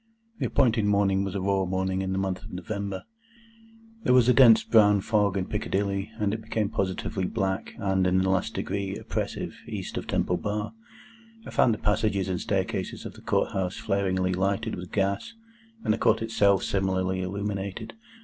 The appointed morning was a raw morning in the month of November. There was a dense brown fog in Piccadilly, and it became positively black and in the last degree oppressive East of Temple Bar. I found the passages and staircases of the Court House flaringly lighted with gas, and the Court itself similarly illuminated.